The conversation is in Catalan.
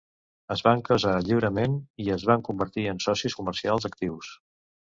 Es van casar lliurement i es van convertir en socis comercials actius.